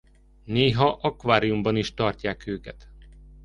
Néha akváriumban is tartják őket.